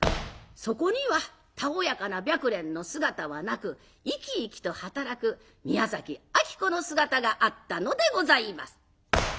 そこにはたおやかな白蓮の姿はなく生き生きと働く宮崎子の姿があったのでございます。